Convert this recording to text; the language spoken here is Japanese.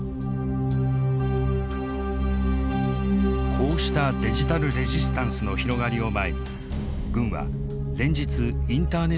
こうしたデジタル・レジスタンスの広がりを前に軍は連日インターネットを遮断。